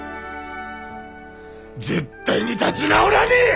絶対に立ぢ直らねえ！